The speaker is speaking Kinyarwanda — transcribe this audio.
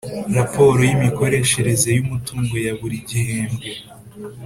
Raporo y’imikoreshereze yumutungo ya buri gihembwe,